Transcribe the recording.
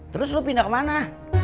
terus lu pindah kemana